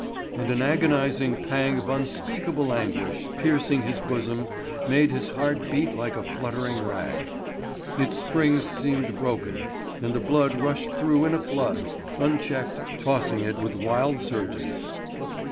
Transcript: And an agonizing pang of unspeakable anguish piercing his bosom made his heart beat like a fluttering rag. Its springs seemed broken, and the blood rushed through in a flood, unchecked, tossing it with wild surges.